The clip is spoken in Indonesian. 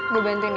gue bantuin ya